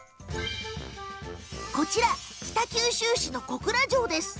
こちら北九州市の小倉城です。